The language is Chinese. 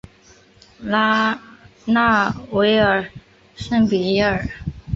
拉纳维尔圣皮耶尔。